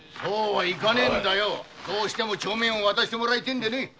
そうはいかねえんだよどうしても帳面を渡してもらいてえんでね！